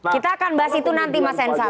kita akan bahas itu nanti mas ensat